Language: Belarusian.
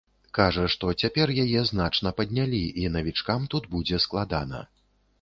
Кажа, што цяпер яе значна паднялі і навічкам тут будзе складана.